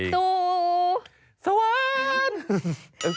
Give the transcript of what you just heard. สู่สวรรค์